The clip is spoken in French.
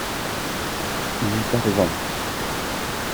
J’y parvins.